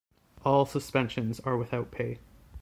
All suspensions are without pay.